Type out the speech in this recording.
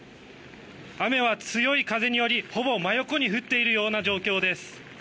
雨は強い風によりほぼ真横に降っている状況です。